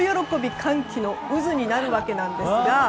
歓喜の渦になるわけですが。